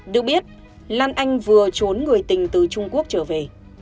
được biết lan anh vừa trốn người tình từ trung quốc trở về